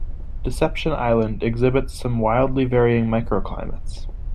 Deception Island exhibits some wildly varying microclimates.